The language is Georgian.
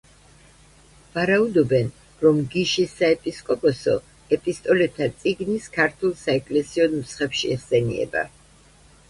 ვარაუდობენ, რომ გიშის საეპისკოპოსო „ეპისტოლეთა წიგნის“ ქართულ საეკლესიო ნუსხებში იხსენიება.